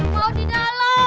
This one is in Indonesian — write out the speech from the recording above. mau di dalem